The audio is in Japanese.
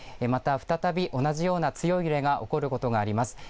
また再び同じような強い揺れが起こることがあります